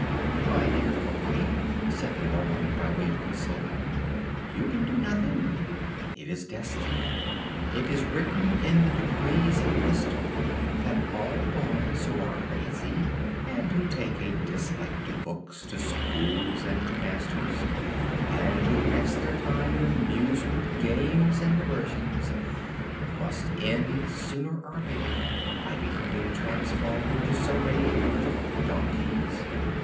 "My dear boy," said the Marmot, by way of consoling him, "you can do nothing. It is destiny. It is written in the decrees of wisdom that all boys who are lazy, and who take a dislike to books, to schools, and to masters, and who pass their time in amusement, games, and diversions, must end sooner or later by becoming transformed into so many little donkeys."